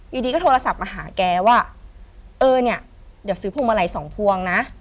อยู่ดีก็โทรศัพท์มาหาแกว่าเออเนี่ยเดี๋ยวซื้อพวงมาลัยสองพวงนะ